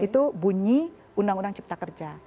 itu bunyi undang undang cipta kerja